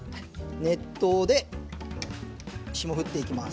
熱湯で霜降っていきます。